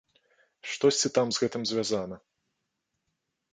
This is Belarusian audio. Штосьці там з гэтым звязана.